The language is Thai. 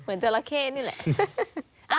เหมือนเจ้าราเข้นี่แหละ